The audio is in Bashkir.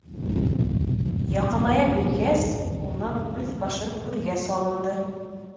Яҡыная биргәс, уның өҫ-башы күҙгә салынды.